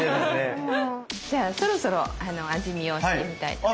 じゃあそろそろ味見をしてみたいと思います。